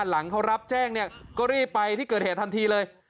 หลังเขารับแจ้งเนี่ยก็รีบไปที่เกิดเหตุทันทีเลย